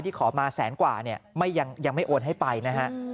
ขอมาแสนกว่าเนี่ยยังไม่โอนให้ไปนะฮะ